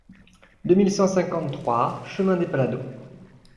deux mille cent cinquante-trois chemin des Palladaux